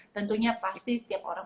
tentunya pasti setiap orang